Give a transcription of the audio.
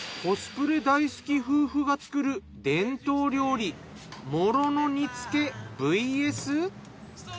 コスプレ大好き夫婦が作る伝統料理もろの煮付けＶＳ。